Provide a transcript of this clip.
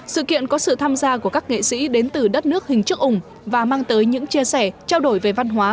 sự kiện có sự tham gia của các nghệ sĩ đến từ đất nước hình chức ủng và mang tới những chia sẻ trao đổi về văn hóa